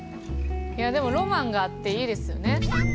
いやでもロマンがあっていいですよね。